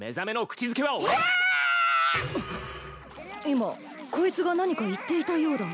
今こいつが何か言っていたようだが。